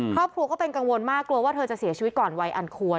ครอบครัวก็เป็นกังวลมากกลัวว่าเธอจะเสียชีวิตก่อนวัยอันควร